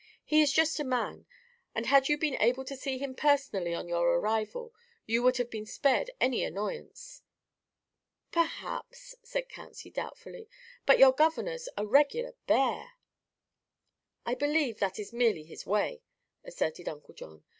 "He is a just man, and had you been able to see him personally on your arrival you would have been spared any annoyance." "Perhaps," said Patsy doubtfully. "But your governor's a regular bear." "I believe that is merely his way," asserted Uncle John.